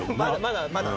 まだまだ。